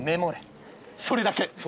それだけ。